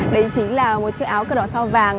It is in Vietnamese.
đấy chính là một chiếc áo cờ đỏ sao vàng